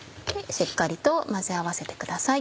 しっかりと混ぜ合わせてください。